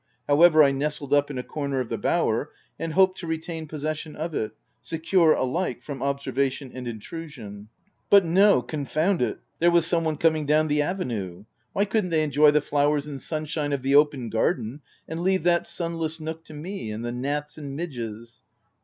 However > I nestled up in a corner of the bower, and hoped to retain possession of it, secure alike from obser vation and intrusion. But no — confound it — there was some one coming down the avenue ! Why could'nt they enjoy the flowers and sun shine of the open garden, and leave that sunless nook to me, and the gnats and midges